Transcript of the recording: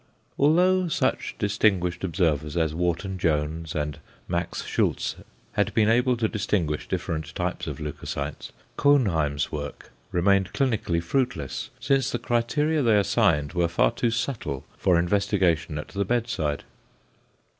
Although such distinguished observers as Wharton Jones and Max Schultze had been able to distinguish different types of leucocytes, Cohnheim's work remained clinically fruitless since the criteria they assigned were far too subtle for investigation at the bedside.